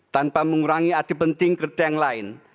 tanpa mengurangi arti penting kereta yang lain